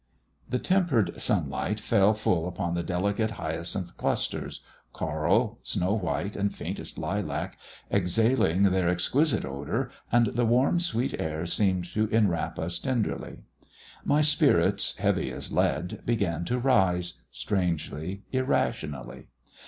The tempered sunlight fell full upon the delicate hyacinth clusters coral, snow white, and faintest lilac exhaling their exquisite odour, and the warm sweet air seemed to enwrap us tenderly. My spirits, heavy as lead, began to rise strangely, irrationally.